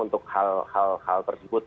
untuk hal hal tersebut